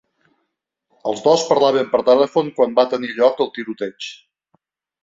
Els dos parlaven per telèfon quan va tenir lloc el tiroteig.